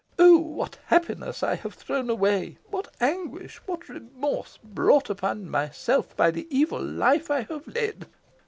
"Oh! what happiness I have thrown away! What anguish what remorse brought upon myself by the evil life I have led!